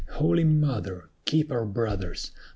Holy Mother! keep our brothers!